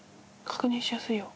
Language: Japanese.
確認しやすいよ